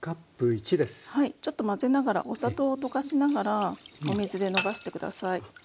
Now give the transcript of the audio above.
ちょっと混ぜながらお砂糖を溶かしながらお水でのばして下さい。